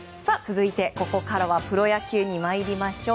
ここからはプロ野球に参りましょう。